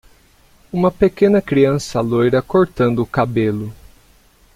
Uma pequena criança loira cortando o cabelo